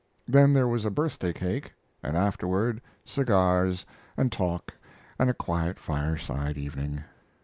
Then there was a birthday cake, and afterward cigars and talk and a quiet fireside evening.